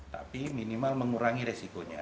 tapi minimal mengurangi risikonya